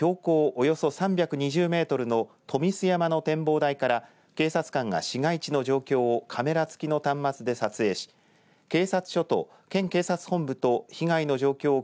およそ３２０メートルの冨士山の展望台から警察官が市街地の状況をカメラ付きの端末で撮影し警察署と県警察本部と被害の状況を